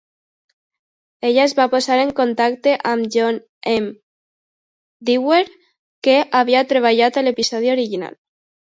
Ella es va posar en contacte amb John M. Dwyer, que havia treballat a l'episodi original.